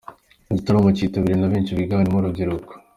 Igitaramo kitabiriwe na benshi biganjemo urubyiruko.